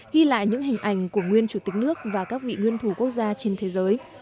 ghi lại những hình ảnh của nguyên chủ tịch nước và các vị nguyên thủ quốc gia trên thế giới